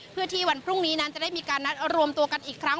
เพื่อที่วันพรุ่งนี้นั้นจะได้มีการนัดรวมตัวกันอีกครั้ง